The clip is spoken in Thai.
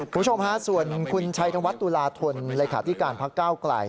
คุณชมฮาส่วนคุณชัยธวันตุลาธนรายขาดิการพักก้าวกล่าย